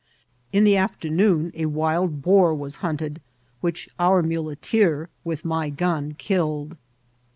In the afternoon a wild boar was hunted, which our muleteer, with my gun, killed.